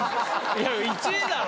いや１位だろ。